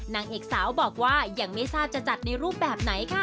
นางเอกสาวบอกว่ายังไม่ทราบจะจัดในรูปแบบไหนค่ะ